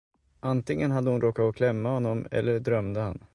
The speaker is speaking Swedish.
Antingen hade hon råkat att klämma honom, eller drömde han.